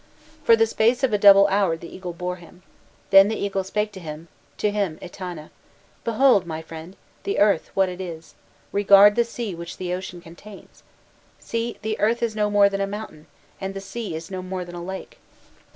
"For the space of a double hour the eagle bore him then the eagle spake to him, to him Etana: 'Behold, my friend, the earth what it is; regard the sea which the ocean contains! See, the earth is no more than a mountain, and the sea is no more than a lake.